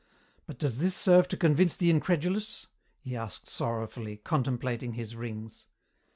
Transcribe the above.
But does this serve to convince the incredulous?" he asked sorrowfully, contemplating his rings.